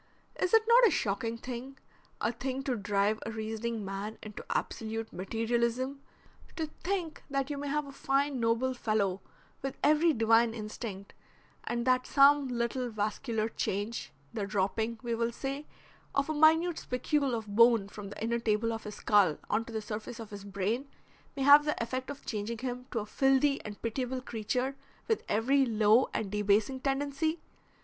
Is it not a shocking thing a thing to drive a reasoning man into absolute Materialism to think that you may have a fine, noble fellow with every divine instinct and that some little vascular change, the dropping, we will say, of a minute spicule of bone from the inner table of his skull on to the surface of his brain may have the effect of changing him to a filthy and pitiable creature with every low and debasing tendency?